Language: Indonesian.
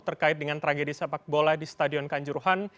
terkait dengan tragedi sepak bola di stadion kanjuruhan